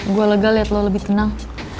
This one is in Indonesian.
gue lega lihat lo lebih tenang